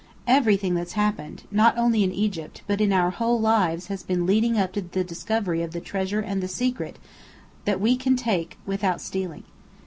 Everything that's happened, not only in Egypt, but in our whole lives, has been leading up to the discovery of the Treasure and the Secret that we can take without stealing.